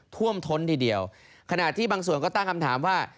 ท่วมท้นทีเดียวขณะที่บางส่วนก็ตั้งคำถามว่า